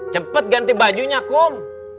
cepet ganti bajunya kum